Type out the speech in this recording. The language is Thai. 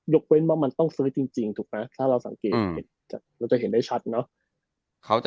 เว้นว่ามันต้องซื้อจริงถูกไหมถ้าเราสังเกตเราจะเห็นได้ชัดเนอะ